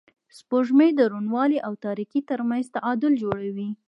سپوږمۍ د روڼوالي او تاریکۍ تر منځ تعادل جوړوي